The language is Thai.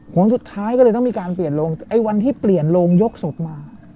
ผลสุดท้ายก็เลยต้องมีการเปลี่ยนโลงไอ้วันที่เปลี่ยนโลงยกสุดมา